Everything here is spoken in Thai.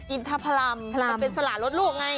อินทภารมเป็นสละรถลูกไง